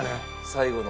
最後の。